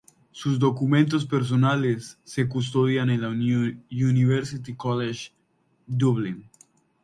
Sus documentos personales se custodian en la University College Dublin.